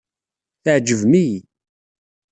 Tɛejbem-iyi.